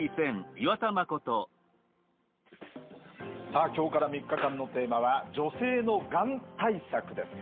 さあ今日から３日間のテーマは「女性のがん対策」です。